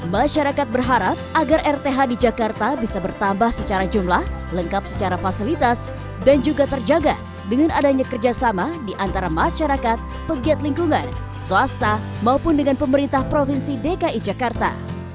masyarakat berharap agar rth di jakarta bisa bertambah secara jumlah lengkap secara fasilitas dan juga terjaga dengan adanya kerjasama di antara masyarakat pegiat lingkungan swasta maupun dengan pemerintah provinsi dki jakarta